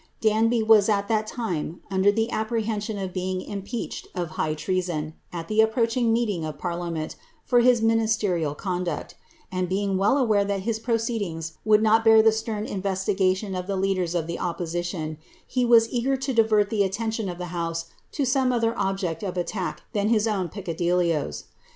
Danby was at that time under the apprehension of being impeached r high treason, at the approaching meeting of parliament, for his minis rial conduct; and, being well aware that his proceedings would not •ar the stern investigation of the leaders of the opposition, he was iger to divert the attention of the house to some other object of attack lan his own peccadilloes.'